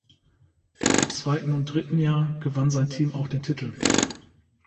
Im zweiten und dritten Jahr gewann sein Team auch den Titel.